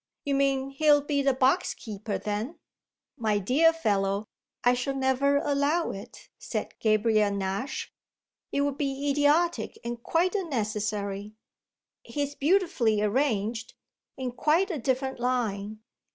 "You mean he'll be the box keeper, then?" "My dear fellow, I shall never allow it," said Gabriel Nash. "It would be idiotic and quite unnecessary. He's beautifully arranged in quite a different line.